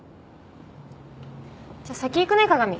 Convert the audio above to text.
じゃあ先行くね加賀美。